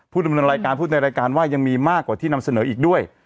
ดำเนินรายการพูดในรายการว่ายังมีมากกว่าที่นำเสนออีกด้วย